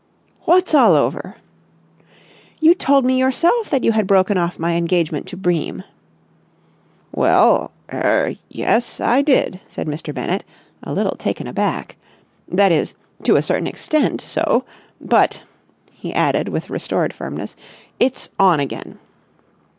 "What's all over?" "You told me yourself that you had broken off my engagement to Bream." "Well—er—yes, I did," said Mr. Bennett, a little taken aback. "That is—to a certain extent—so. But," he added, with restored firmness, "it's on again!"